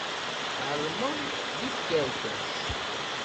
Tɛelmeḍ d tikerkas.